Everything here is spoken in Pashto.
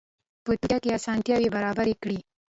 په ترکیه کې اسانتیاوې برابرې کړي.